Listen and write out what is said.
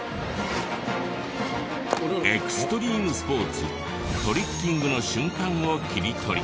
エクストリームスポーツトリッキングの瞬間を切り取り。